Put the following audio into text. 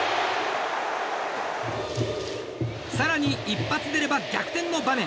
更に一発出れば逆転の場面。